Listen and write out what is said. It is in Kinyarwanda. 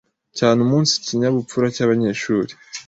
cyane umunsi kinyabupfura cy’abanyeshuri